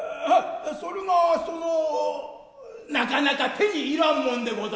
そるがそのなかなか手に入らんもんでござるます。